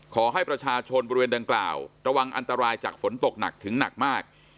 ขอให้ประชาชนบริเวณดังกล่าวระวังอันตรายจากฝนตกหนักถึงหนักมาก